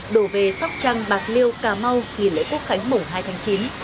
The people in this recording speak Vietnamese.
đổ về sóc trăng bạc liêu cà mau nghỉ lễ quốc khánh mùng hai tháng chín